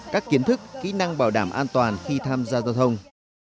các kiến thức kỹ năng bảo đảm an toàn khi tham gia giao thông